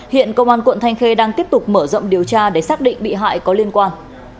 hiện công an quận thanh khê đang tiếp tục mở rộng điều tra để xác định bị hại có liên quan